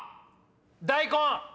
「大根」！